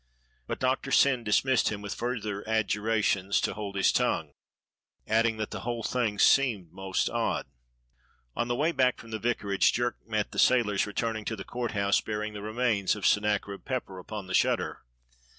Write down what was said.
But Doctor Syn dismissed him with further adjura tions to hold his tongue, adding that the whole thing seemed most odd. On the way back from the vicarage Jerk met the sailors returning to the Court House bearing the re mains of Sennacherib Pepper upon the shutter.